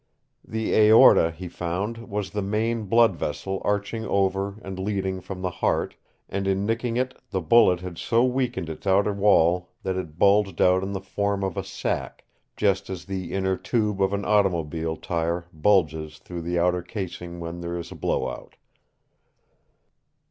The aorta, he found, was the main blood vessel arching over and leading from the heart, and in nicking it the bullet had so weakened its outer wall that it bulged out in the form of a sack, just as the inner tube of an automobile tire bulges through the outer casing when there is a blowout.